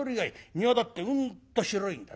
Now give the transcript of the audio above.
庭だってうんと広いんだ。